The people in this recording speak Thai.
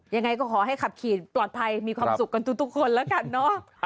ยังไงก็ขอให้ขับขี่ปลอดภัยมีความสุขกันทุกคนแล้วกันเนอะ